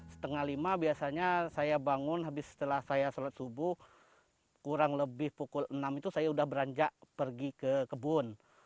setengah lima biasanya saya bangun habis setelah saya sholat subuh kurang lebih pukul enam itu saya sudah beranjak pergi ke kebun